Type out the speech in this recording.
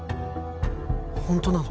ホントなの？